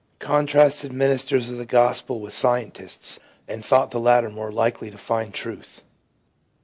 Contrasted ministers of the Gospel with scientists, and thought the latter more likely to find truth.